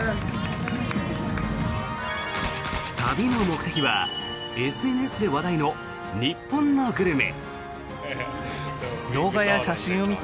旅の目的はＳＮＳで話題の日本のグルメ。